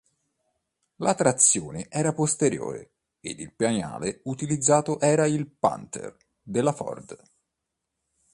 La trazione era posteriore ed il pianale utilizzato era il Panther della Ford.